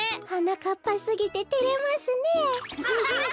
はなかっぱすぎててれますねえ。